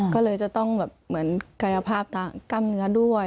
ก็เลยจะต้องกายภาพกล้ามเนื้อด้วย